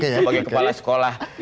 sebagai kepala sekolah